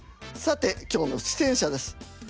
さて今日の出演者です。